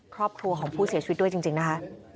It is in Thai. ครอบครัวของผู้เสียชีวิตด้วยจริงนะคะ